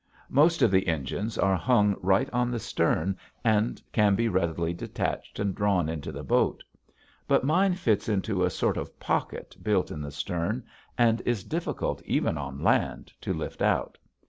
Most of the engines are hung right on the stern and can be readily detached and drawn into the boat. But mine fits into a sort of pocket built in the stern and is difficult even on land to lift out.